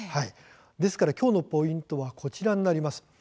ですからきょうのポイントはこちらになります。